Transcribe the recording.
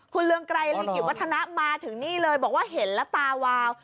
คุณเรืองไกรลีกิจวัฒนะมาถึงนี่เลยบอกว่าเห็นแล้วตาวาว